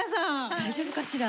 大丈夫かしら？